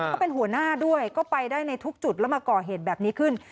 เขาเป็นหัวหน้าด้วยก็ไปได้ในทุกจุดแล้วมาก่อเหตุแบบนี้ขึ้น